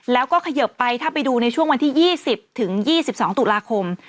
แล้วก็เขยิบไปถ้าไปดูในช่วงวันที่๒๐ถึง๒๒ตุลาคม